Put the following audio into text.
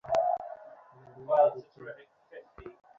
না, আবার অবিশ্বাসের হাসিও হাসবে না।